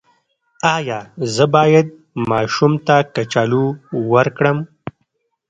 ایا زه باید ماشوم ته کچالو ورکړم؟